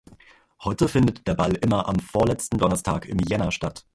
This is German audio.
Heute findet der Ball immer am vorletzten Donnerstag im Jänner statt.